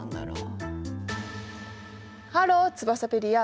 ハローツバサペディア。